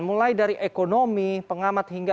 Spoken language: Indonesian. mulai dari ekonomi pengamat hingga